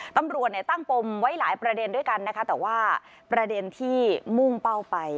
ตำรวจเนี่ยตั้งปมไว้หลายประเด็นด้วยกันนะคะแต่ว่าประเด็นที่มุ่งเป้าไป